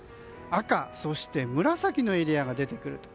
赤、そして紫のエリアが出てくると。